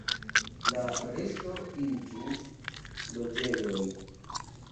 La resto iĝu loĝejoj.